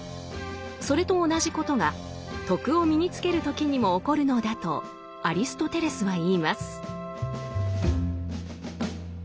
それと同じことが「徳」を身につける時にも起こるのだとアリストテレスは言います。